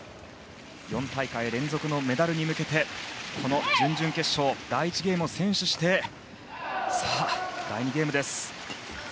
４大会連続のメダルに向けてこの準々決勝第１ゲームを先取してさあ、第２ゲームです。